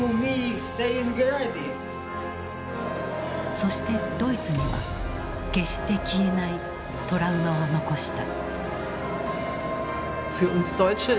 そしてドイツには決して消えない「トラウマ」を残した。